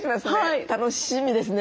楽しみですね。